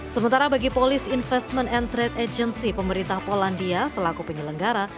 sementara bagi polis investment and trade agency pemerintah polandia selaku penyelenggara